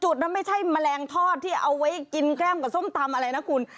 จุดนั้นไม่ใช่แมลงทอดที่เอาไว้กินแก้มกับส้มตำอะไรนะคุณ